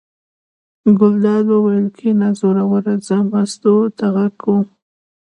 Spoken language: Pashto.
ګلداد وویل: کېنه زوروره زه مستو ته غږ کوم.